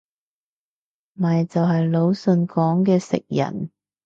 咪就係魯迅講嘅食人